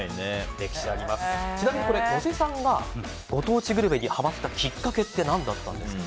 ちなみに、野瀬さんがご当地グルメにハマったきっかけって何だったんですか？